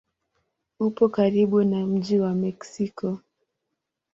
Upo karibu na mji wa Meksiko.